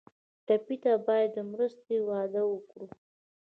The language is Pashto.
ټپي ته باید د مرستې وعده وکړو.